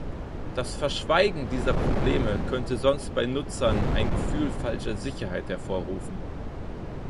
Das Verschweigen dieser Probleme könnte sonst bei Nutzern ein Gefühl falscher Sicherheit hervorrufen.